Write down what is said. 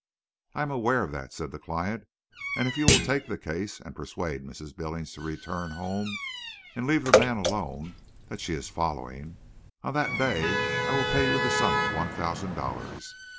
"I am aware of that," said the client, "and if you will take the case and persuade Mrs. Billings to return home and leave the man alone that she is following—on that day I will pay you the sum of one thousand dollars.